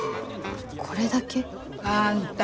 これだけ？あんた